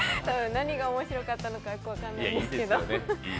何が面白かったのか分からないですけど。